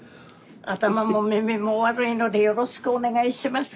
頭も耳も悪いのでよろしくお願いします。